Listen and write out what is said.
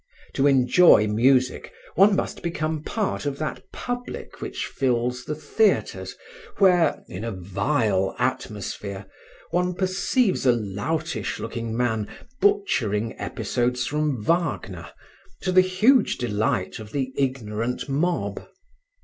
To enjoy music, one must become part of that public which fills the theatres where, in a vile atmosphere, one perceives a loutish looking man butchering episodes from Wagner, to the huge delight of the ignorant mob.